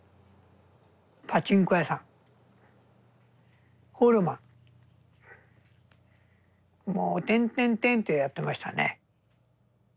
パチンコ屋さんホールマンもう転々とやってましたね。